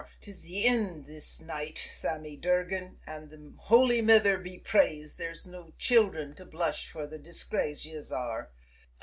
'Tis the ind this night, Sammy Durgan, an' the Holy Mither be praised there's no children to blush fer the disgrace yez are!"